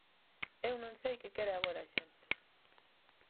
Eu non sei que quere agora a xente.